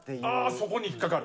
そこに引っかかる。